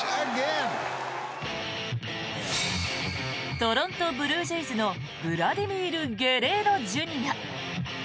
トロント・ブルージェイズのブラディミール・ゲレーロＪｒ．。